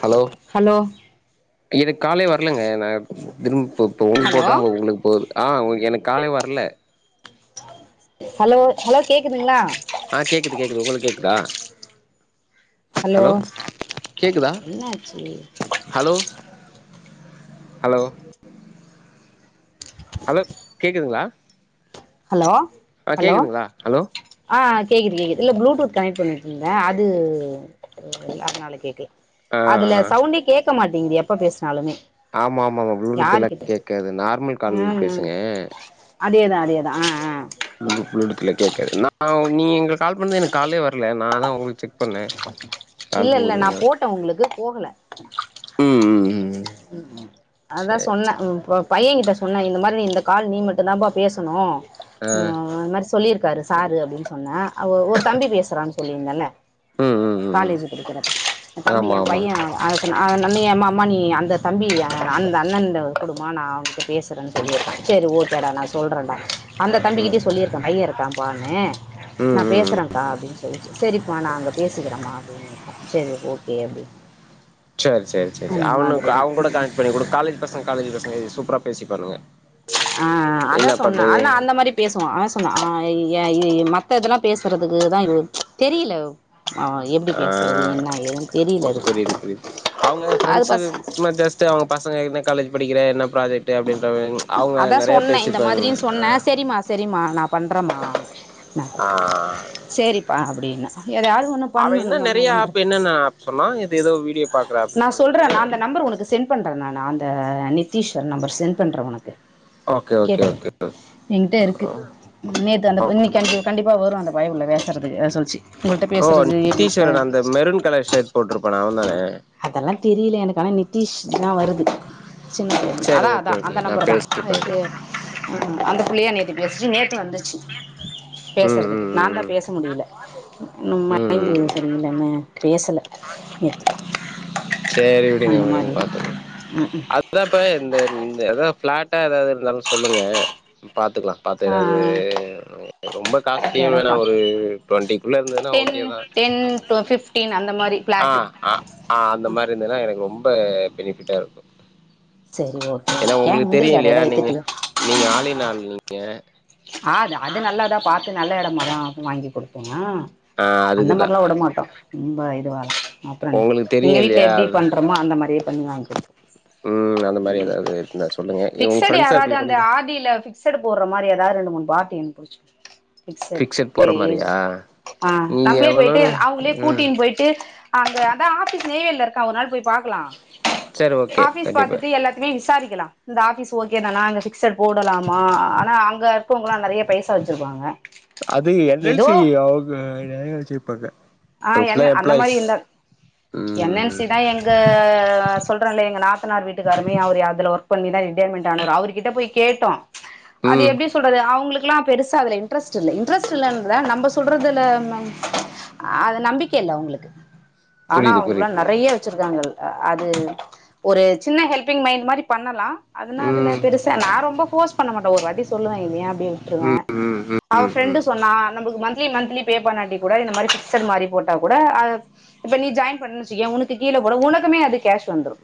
hello hello எனக்கு காலே வரலங்க நா திரும்போ இப்ப உங்களுக்கு ஹலோ போட்ட உங்களுக்கு போது ஆ உ எனக்கு காலே வர்ல ஹலோ ஹலோ கேக்குதுங்ளா ஆஹ்ன் கேக்குது கேக்குது உங்களுக்கு கேக்குதா ஹலோ கேக்குதா என்னாச்சு ஹலோ ஹலோ ஹலோ கேக்குதுங்களா ஹலோ ஆஹ் ஹலோ கேக்குதுங்களா ஹலோ ஆ கேக்குது கேக்குது இல்ல ப்ளூடூத் கனெக்ட் பண்ணிட்ருந்தேன் அது அதனால கேக்கல ஆ அதுல சவுண்டே கேக் கமாட்டேங்கிது எப்ப பேசு ஆமா ஆமாங்க ப்ளூடூத் இல்லாட்டி கேக்காது நார்மல் கால் பேசுங்க ஆஹ் ஆஹ் நான் நீங்க இங்க கால் பண்ணது எனக்கு காலே வரல நான் அதான் உங்களுக்கு செக் பண்ணே இல்ல கால் இல்ல போகுது நான் போட்டேன் உங்களுக்கு போகல உம் உம் உம் அதான் சொன்னேன் ம் போ பையன்கிட்ட சொன்னேன் இந்த மாரி நீ இந்த கால் நீ மட்டும் தான்ப்பா பேசணு ம் ஆ அவன் ஒரு மாரி சொல்லியிருக்காரு சாரு அப்டின்னு சொன்னே அவ ஒரு தம்பி பேசுறான்ச்சு சொல்லிருந்தல்ல ம் ம் ம் ம் காலேஜு படிக்கிறப்ப அந்த தம்பி ஆமா என் ஆமா பையன் ஆஹ் நம்ம யேமா அம்மா நீ அந்த தம்பி அந்த அண்ணன்ட குடுமா நான் அவுங்கட்ட பேசுறேன்னு சொல்லிக்கான் சேரி ஓகேடா நான் சொல்றன்டா அந்த ம் தம்பிக்கிட்டயே சொல்லிருக்கான் பையன் இருக்கான் வான்னு ம் நான் ம் பேசுறன்க்கா அப்டின்னு சொல்லுச்சு சேரி மா நான் அங்க பேசிக்கிறேம்மா அப்டின்னுட்டான் சேரி ஓகே அப்டின்னு சேர் சேர் சேரி அந்த அவனுக்கு மாதிரிதா அவுங் ககூட ம் கனெக்ட் பண்ணி கூட காலஜ் பசங்க காலேஜ் பசங்க சூப்பரா பேசிப்பானுங்க ஆஹ் என்ன அதான் சொன்னேன் பண்றீங்க ஆனா அந்த மாதிரி பேசுவான் அவே சொன்ன ஆ் ஏ மத்த இதெல்லாம் பேசுறதுக்குதான் தெரியல ஆஹ் தெரில அது புரியுது புரியுது அவங்க அது ப்ரண்ட்ஸு பஸ் சும்மா ஜஸ்ட் அவங்க பசங்க காலேஜ் படிக்கிற என்னப்ராஜக்டு அப்படின்றாங்க அதான் சொன்னேன் இந்த மாதிரின்னு சொன்னே செரிமா செரிமா நா பன்றம்மா நாங்க ஆ செரிப்பா அப்டினு அவ என்ன நெறைய ஆப் என்னன்ன ஆப் சொன்னா ஏதோ வீடியோ பாக்குற ஆப் நான் சொல்றேன் சொன்னல்ல நா அந்த நம்பர் உனக்கு சென்ட் பண்றேன் நானு நான் அந்த நித் நித்திஷ் சார் நம்பர் சென்ட் பண்றேன் உனக்கு ஓகே ஓகே கேட்டீங் ஓகே என்கிட்ட இருக்கு நேத்து அந்த இன்னக்கி வந்து கண்டிப் இப்ப வரும் அந்த பயபுல பேசறதுக்கு அதா சொல்ச்சு உங்கள்ட்ட ஓ பேசுறது க நித்தீஸ்வரன் அந்த மெருன் கலர் ஷர்ட் போட்டிருப்பானே அவன் தானே அதெல்லாம் தெரியல எனக்கு ஆனா நித்தீஷ் னா வருது சின்ன [unintelligible] சேரி அதான் ஓகே அதான் ஓகே அந்த நான் நம்பர் தான் பேசிட்டு அதுக்கு பாக்குறே ஆஹ் அந்த புள்ளையா நேத் [unintelligible] நேத்து வந்துச்சு ம் பேசுறதுக்கு ம் நான் ம் தான் பேச முடில இன்னும் ம் மையின்டு ம் ம் சரியில்லனு பேசல எ சேரி விடுங்க விடுங்க பாத்துக்கலா ம் ம் அதுதான் இப்ப இந்த இந்த அதா ஃபிளாட் [unintelligible] இருந்தாலும் சொல்லுங்க பாத்துக்கலாம் பாத்து ஆ எதாவது ரொம்ப காஸ்ட்லியும் வேணா எடப்பா ஒரு டுவெண்டிக்குள்ள இருந்ததுன்னா டென் ஓகேதான் டென் டு ஃபிஃப்டீன் அந்த மாரி பிளாட்டு ஆஹ் அஹ் ஆஹ் அந்த மாரி இருந்ததுன்னா எனக்கு ரொம்ப பெனிஃபிட்டா இருக்கும் சரி ஓகே ஏன்னா ஏன் உங்களுக்கு முந்திரி தெரியு இல்லயா கடையெல்லாம் நீங்க வித்துட்டியா நீங்க ஆளினால் நீங்க ஆ அ அது நல்லாதான் பாத்து நல்ல எடமா தான் வாங்கி குடு ப்பே நா ஆ அந்த அதுக்குதா மாரிலா வுடமாட்டோ ரொம்ப இதுவா அப்றோ என்ன உங்களுக்கு எங்க தெரியு வீட்ல இல்லையா எப்டி அது பண்றோமோ அந்த மாரியே பண்ணி வாங்கி குடுப் ம் அந்த மாரி எதாவது இருந்தா சொல்லுங்க உங்க ஃப்ரெண்ஸ் சர்க்கிள் கூட இது ஃபிக்சட் போடற மாரி அது [unintelligible] ரெண்டு மூணு பாட்டி எனக் புடிச்சு ஃபிக்சட் ஃபிக்ஸட் போட்ற ஏஜ் மாரியா அ நீங்க நம்ளே எவனு போய்ட்டு அவங்ளே ம் கூட்டின்னு போய்ட்டு அங்க அத ஆபிஸ் நெய்வேலில இருக் அ ஒரு நாள் போய் பாக்கலா சரி ஓகே ஆபிஸ் கண்டிப்பா பாத்துட்டு எல்லாத்திலு விசாரி க்லா இந்த ஆபிஸ் ஓகேனால இங்க ஃபிக்சட் போடலாமா ஆனா அங் எல்லார்க்கு உங்கள மாறியே பைச வெச்சிருப்பாங்க அது என் எல் ஏதோ சி அவங்க நெறைய வச்சிருப்பாங்க அ அது ஃபுல்லா என்ன அந்த மாரி எம்ப்ளாயிஸ் இந்த என் எல் ம் சி எங்க சொல்ராங்க எங்க நாத்தனார் வீட்டுக்கருமே அவரு அதுல ஓர் பண்ணிதா ரிடையர்மெண்ட் ஆனரு அவர்கிட்ட போய் கேட்டோ அது ம் எப்டி அவங்களுக்குல்லா பெருசா அதுல இன்ட்ரெஸ்ட் இல்ல இன்ட்ரெஸ்ட் இல்லனா நம்ம சொல்றதுல நம் அ நம்பிக்க இல்ல அவங்களுக்கு ஆனா புரியுது அவங்கல்லா புரியுது நெறைய வெச்சிருக்காங்கள் அது ஒரு சின்ன ஹெல்பிங் மைண்ட் மாரி பண்ணலா அதுனா அதுல ம் பெருசா நா ரொம்போ ஃபோர்ஸ் பண்ண மாட்டே ஒரு வாட்டி சொ சொல்வ இல்லயா அப்டியே விட்டுருவே ம் ம் ம் அவ ம் ஃபிரெண்டு ம் சொன்னா நமளுக் மண்த்திலி மண்த்திலி பே பண்ணாடி கூட இந்த மாரி ஃபிக்சட் மாரி போட்ட கூட அது இப்போ நீ ஜோயின் பண்ணிச்சு எ உனக்கு கீழ போடு உனக்குமே அது கேஷ் வந்துரோ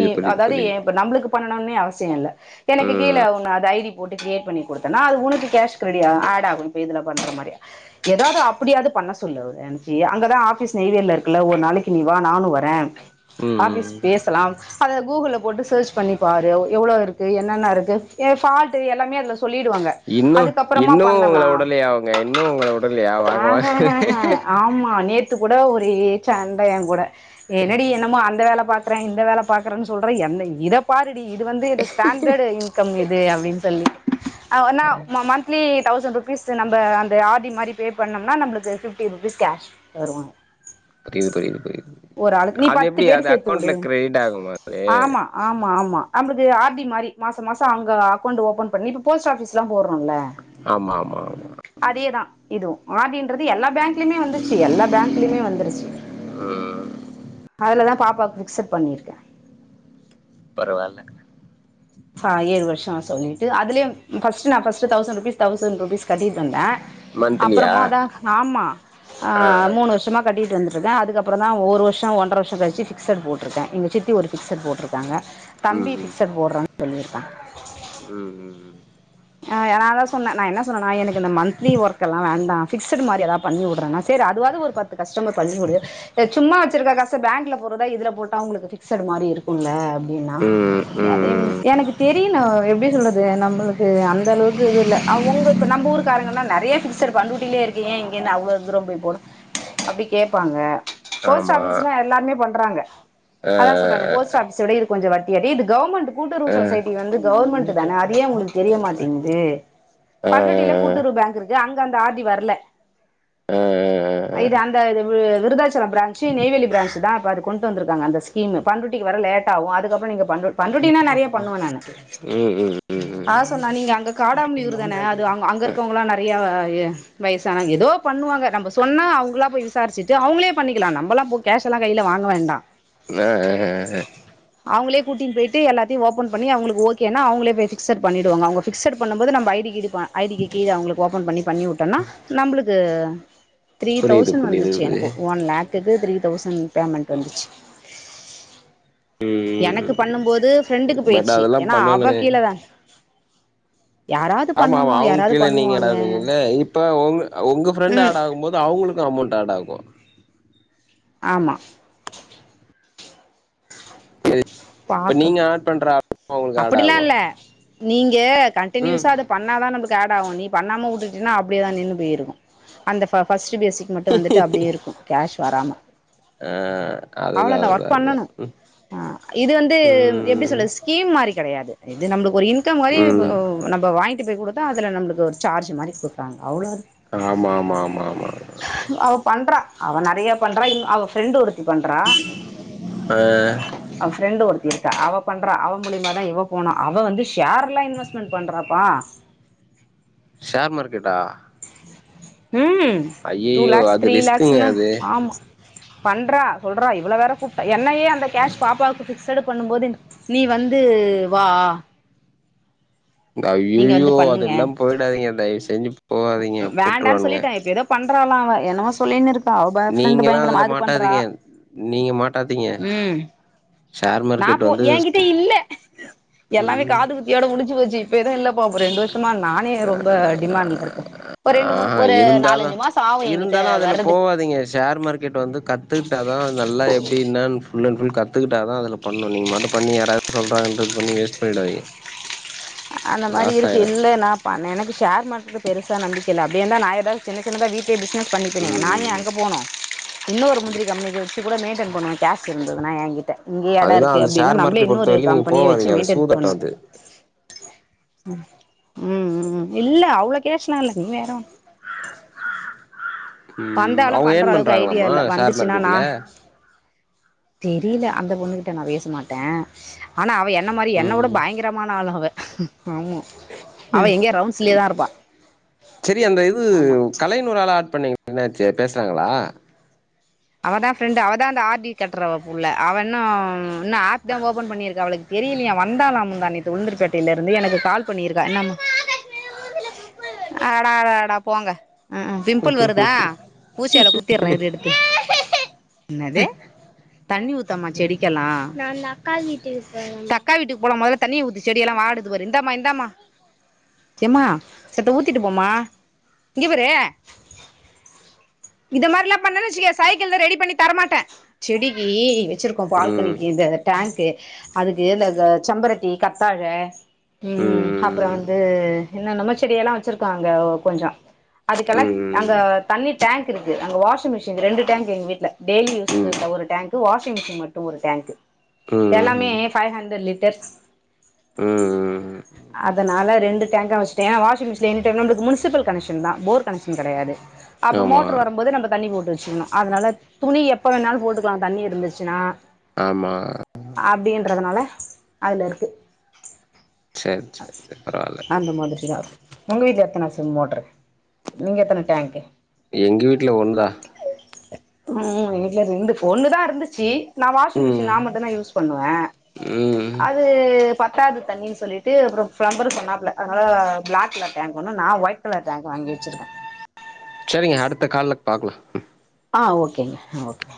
சீ புரியுது அதாது எ புரியுது இப் நம்ளுக்கு பண [unintelligible] அவசியோ இல்ல எனக்கு ம் கீழே ஒன்னு அது ஐடி போட்டு கிரியேட் பண்ணி குடுத்தானா உனக்கு கேஷ் கிரெடி அட் ஆகு இப்போ இதுல பாக்குற மாரி எதாது அப்டி அது பண்ண சொல்லு ஒரு என்ட்ரி அங்க தா ஆபீஸ் நெய்வேலில இருக்குல ஓர் நாளைக்கு நீ வா நானும் வரே ம் ஆபிஸ் ம் பேசலா அது கூகுள் ல போட்டு சர்ச் பண்ணி பாரு எவ்ளோ இருக்கு என்னென்ன இருக்கு எ ஃபால்ட் டு எல்லாமே அதுல சொல்லிடுவாங்க இன்னு அதுக்கப்புறமா இன்னு பண்ணலா உங்கள உடலைய அவுங்க இன்னு உங்க உடலைய வாங்க வாங்க ஆஹஹஹ ஆமா நேத்து கூட ஒரே சண்ட ஏன் கூட என்னடி என்னமோ அந்த வேல பாக் றே இந்த வேல பாக்குற சொல்றே எந்த இத பாரு இது வந்து இந்த ஸ்டாண்டர்டு இன்கம் இது அப்டின்னு சொல்லி அவனா மந்த்லி தௌசண் ருபீஸ்து நம்ம அந்த ஆர் டி மாரி பே பண்ணம்னா நம்ளுக்கு பிப்டி ருபீஸ் கேஷ் தருவாங்க புரியுது புரியுது புரியுது ஒரு ஆளுக்கு நீ அது பத்து எப்டி பேர் அது சேத்து விடு அக்கோண்ட்ல கிரயிட் ஆகுமா அது அம்பது ஆர் டி மாரி மாச மாசம் அங்க அக்கௌன்டு ஓபன் பண்ணி இப்ப போஸ்ட் ஆபீஸ்லா போறோ ம்ல ஆமா ஆமா ஆமா அதேதான் இதும் ஆர்டின்றது எல்லா பேங்க்லியுமே வந்துச்சு எல்லா பேங்க்லியுமே வந்துருச்சு அதுலதா பாப்பாக் விக்சட் பண்ணிருக்கன் பரவால்ல ஃபா ஏழு வர்ஷம் சொல்லிட்டு அதுலயும் ஃபஸ்டு நா first thousand rupees thousand rupees கட்டிட் வந்தே மந்த்லியா அப்பறமா தா ஆமா ஆ மூணு வர்ஷமா கட்டிட்டு வந்துருக் ரு தா அதுக்கு அப்புறோ தா ஓர் வர்ஷம் ஒன்ற வர்ஷம் கழிச்சி ஃபிக்சட் போட்ருக்கன் எங்க சித்தி ஒரு ஃபிக்சட் போட்ருக்காங்க தம்பி ஃபிக்சட் போட்றான் [unintelligible] ம் ம் ம் அ யநா தா சொன்னே நா என்ன சொன்னன்னா எனக்கு இந்த மந்த்லி ஒர்க்கெல்லா வேண்டா ஃப்ஸடு மாரி எதா பண்ணி உட்றனா சேரி அதுவாது ஒரு பத்து கஸ்டமர் பண்ணி உடு எ சும்மா வெச்சிருக்க கஸ் த்த பேங்க்ல போட்றதா இதுல போட்டா உங்களுக்கு ஃபிக்சடு மாரி இருக்குல்ல ஈன்னா ம் ம் ம் எதைம் ம் எனக்கு தெரியுனு எப்டி சொல்றது நம்புளுக் து அந்த அளவுக்கு இதுல்ல அவுங்க இப்ப நம்பு ஊருக்காரங்கன்னா நறைய ஃபிக்ஸடு பண்டுட்டிலேருக்கு ஏ இங்கேந்து அவ்ளோ தூரம் போய் போடு அப்டி கேப்பாங்க போஸ்ட் ஆமா ஆஃபிஸ்னா எல்லாமே பண் ட்றாங்க ஆ அதான் சொல்றாங்க ஆ போஸ்ட் ஆஃபிஸ் ச்சோட இது கொஞ்ச வட்டியாட் ஏ இது கௌமண்ட் கூட்டுறவு ஆ ஆ சொசைட்டி வந்து கௌர்மண் ட்டு தான அது ஏ உங்ளுக் தெரிய மாட்டீங் து ஆ பண்ருட்டில கூட்டுறவு பேங்க்கு இருக்கு அங்க அந்த ஆர் டி வர்ல ஆ அ இது அந்த வி விருதாச்சலம் ப்ரான்சு நெய்வேலி ப்ரான்சு தான் ப்ப அத கொண்ட்டு வந்துருக்காங்க அந்த ஸ்கீமு பண்ருட்டிக்கு வர லேட்டாவும் அதுக்கபுறம் நீங்க பண்ருட் பண்ருட்டினா நறைய பண்ணுவன் நானு ம் ம் ம் ஆ சொன்னா நீங்க அங்க காடாமனியூர் தான அது அங்க அங்க இருக்கவங்கல்லா நறைய அ ய வயசான எதோ பண்ணுவாங்க நம்ப சொன்னா அவுங்களா போய் விசாரிச்சுட்டு அவுங்ளே பண்ணிக்கலா நம்பல்லா போ கேக்லா கைல வாங்க வேண்டா ம் ஆ அவுங்களே கூட்டின் பெய்ட்டு எல்லாத்தியு ஓப்பன் பண்ணி அவுங்குளுக்கு ஓகேனா அவுங்ளே பேசிக்சர் பண்ணிடுவாங்க அவுங்க பிக்ஸடு பண்ணம்போது நம்ப ஐ டி கி டி ப ஐ டி கி கீழ அவுங்குளுக்கு ஓப்பன் பண்ணி பண்ணி உட்டன்னா நம்புளுக்கு த்ரீ புரியுது தௌசண் புரியுது வந்துச்சு புரியுது எனக்கு ஒன் லே ட்டுக்கு த்ரீ தௌசண் பேமண்ட் வந்துருச்சு எனக்கு பண்ணும்போது ஃப்ரெண்டுக்கு பட் போயிர்ச்சி அதெல்லா ஏன்னா அவ பண்ணணுமே கீழ தான் ஆமா ஆமா அவுங் யாராவது கீழ நீங்க பண்ணுவாங்க ஆடாவீங்கல்ல இப்ப உங் உங்க ஃப்ரெண்டு ம் ஆடாகும் போது அவுங்குளுக் கு அமௌண்ட் ஆடாகு ஆமா ப்ப பாக்க நீங்க ஆட் பண்ற [inaudible] அவுங்ளுக்கு ஏடு அப்படிலா ஆகு இல்ல நீங்க ம் கண்டின்யூசா அது பண்ணாதா நமக்கு ஆ டாவு நீ பண்ணாம உட்டுட்டீனா அப்டியே தா நின்னு போய்ருக்கு அந்த ஃப ஃபஸ் டு பேசிக் மட்டு வந்துட்டு அப்டியே இருக்கு கேஷ் வராம ஆ அதுதா அவ்ளோதா அதுதா ஒர்க் அதா பண்ணணு ம் ஆ இது வந்து எப்டி சொல்ல ஸ்கீம் மாரி கடையாது இது நம்ப்ளுக் ஒரு இன்கம் மாரி இப்போ ம் நம்ப வாய்ன்ட்டு போய் குடு த்தா அதுல நம்ளுக்கு ஒரு சார்ஜ் மாரி குடுக்றாங் அவ்ளோ ஆமா ஆமா ஆமா ஆமா அவ பண்றா அவ நறையாப் பண்றா இன் அவ ஃப்ரெண்டு ஒருத்தி பண்றா ஆ ரெண்டு ஒருத்தி இருக்கா அவ பண்றா அவ மூலியமா தா இவ போனா அவ வந்து ஷேர்லா இன்வெஸ்மென்ட் பண்றாப்பா ஷேர் மார் க்கெட்டா ம் டூ லேக்ஸ் அது த்ரீ ரிஸ்க்குங்க லைக்ஸுனு அது ஆமா பண்றா சொல்றா இவள வேற கூப்ட்டா என்னயே அந்த கேஷ் பாப்பாவ்க்கு ஃபிக்ஸட் பண்ணும் போது நீ வந்து வா த நீங்க அய்யயோ அதெல்லா போய்டாதீங்க தயவு செஞ்சு போகாதீங்க வேண்டான் போட்ருவானுங்க சொல்லிட்ட இப்ப ஏதோ பண்றாலா அவ என்னமோ சொல்லின் இருக் கா அவ பாய் ஃப்ரெண்டு நீங்கல்லா பயங்கரமா அதுல அது பண்றா மாட்டாதீங்க நீங்க மாட்டாதீங்க ம் ஷேர் நா மார்க்கெட் போ வந்து ஏங்கிட்ட இல்ல எல்லாமே ம் காது குத்தியோட முடிஞ்சு போச்சு இப்ப எது இல்லப்பா இப்ப ரெண்டு வர்ஷமா நானே ரொம்ப டிமாண்ட்ல இருக் ஆ இருந்தாலு ஆவு என்கிட்ட இருந்தாலு அதுல வர்றதுக்கு போவாதீங்க ஷேர் மார்க்கெட் வந்து கத் த்துக்ட்டாதா நல்லா எப்டி என்னன் ஃபுல் அண் ஃபுல் கத்துக்கிட்டா தா அதுல பண்ணு நீ மாட்டு பண்ணி யாராவது சொல்றாங்கன்றத் பண்ணி வேஸ்ட் பண்ணிடாதீங்க அந்த மாரி லாஸ் இருக்கு ஆயிடு இல்ல நா பன் எனக்கு ஷேர் மார்க்கெட் பெருசா நம்பிக்க இல்ல அப்டியே இருந்தா நா ஏதாது சின்ன சின்னதா வீட் லே பிஸ்னஸ் பண்ணிப்பேனே ம் நா ஏ ம் அங்க போணு இன்னொரு முந்திரி கம்பனிக்கு வச்சு கூட மெய்ன்டென் பண்ணுவோ கேஸ் இருந்ததுனா என்கிட்ட இங்கேயே இடம் அதுதா இருக்குது அது அப்படின்னா ஷேர் நம்மளே மார்க்கெட் பொறுத்த இன்னொரு வரைக்கு நீங்க கம்பெனியை போவாதீங்க அது சூதாட்டோ அது ம் ம் ம் ம் இல்ல அவ்ளோ கேஸ்லா இல்ல நீ வேறோ ம் வந்தாலும் அவங்க பண்ற ஏர்ன் அளவுக்கு ஐடியா பண்றாங்களாமா இல்ல ஷேர் வந்துச்சுன்னா நா மார்க்கெட்ல தெரில அந்த பொண்ணு கிட்ட நா பேச மாட்டே ஆனா அவ எ ன்ன மாரி என்ன விட பயங்கரமான ஆளு அவ ம் தான் இருப்பாள் செரி அந்த இது ஆமாம் கலை னு ஒரு ஆள ஆட் பண்ணீங்க என்னாச்சு பேசுனாங்களா அவதா ஃப்ரெண்டு் அவதா அந்த ஆர் டி கட்டுறவ புள்ள அவ இன்னும் இன்னா ஆப் தா ஓபன் பண்ணிருக்கு அவளுக்கு தெரிலியா வந்தாலா முந்தா நேத்து உளுந்தூர் பேட்டையில இருந்து எனக்கு கால் பண்ணியிருக்கா ம் ம் பிம்பிள் வருதா ஊசியால குத்திட்றே இரு எடுத்து என்னது தண்ணி ஊத்தம்மா செடிக்கேல்லா தக்கா வீட்டுக்கு போலாம் மொதல தண்ணிய ஊத்து செடியெல்லாம் வாடுது ஊத்தட்டு போரு மாண்ண சைக்கிள ரெடி பண்ணி தரமாட்டேன் செடிக்கு வச்சிருக்கோம் ம் பால்கனிக்கு இந்த டேங்க்கு அதுக்கு இந்த செம்பரத்தி கத்தாழை ம் அப்புறம் வந்து என்ன நம்ம செடியெல்லாம் வச்சிருக்காங்க கொஞ்சம் அதுக்கெல்லாம் அங்க ம் தண்ணிர் டேங்க் இருக்கு அங்க வாஷிங்மெஷின் ரெண்டு டேங்க எங்க வீட்டுல டெயலி ூ [unintelligible] ஸ் ம் இரு ஒரு டேங்கு வாஷ் ச்சி மட்டும் ஒரு டேங்க்கு எல்லாமே ம் ம் ஃபைவ் ஹண்ட்ரட் லிட டெக்ஸ் ம் [unintelligible] அதனால ரெண்டு டேங்க்கா வச்சுட்டேன் வாஷி்ங்மெஷின் எங்கிட்ட இன்னொன்னு இருக்கு முனிசிபல் கனெக்ஷன் தான் போர் கனெக்ஷன் கிடையாது அப்ப ஆமா மோட்டர் வரும்போது நம்ம தண்ணி போட்டு வச்சு [unintelligible] அதுனால துணி எப்போ வேணாலும் போட்டுக்கலா தண்ணி இருந்துச்சுன்னா ஆமா அப்டின்றதுனால அதுல இருக்கு சேர் சேர் பரவால்ல அந்த மாதிரி தான் இருக்கு உங்க வீட்ல எத்தன ச மோட்ரு நீங்க எத்தன டேங்க்கு எங்க வீட்ல ஒண்ணுதா ம் ம் வீட்ல ரெண்டு ஃபோனுதா இருந்துச்சு நா வாஷிங் ம் மிஷின் நா மட்டுதா யூஸ் பண்ணுவ ம் அது பத்தாத் தண்ணிண் சொல்லிட் டு அப்பறொ ஃப்ளம்பரு சொன்னாப்புல அதுனால ப்ளாக் கலர் டேங்க் ஒன்னு நா ஒயிட் கலர் டேங்க் வாங்கி வச்சிருக்க சரிங்க அடுத்த கால்ல பாக்கலா ஆ ஓகேங்க அ ஓகே